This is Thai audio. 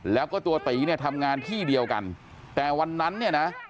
แล้วก็ตัวตีเนี่ยทำงานที่เดียวกันแต่วันนั้นเนี่ยนะ